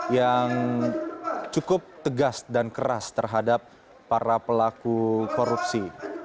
yang cukup tegas dan keras terhadap para pelaku korupsi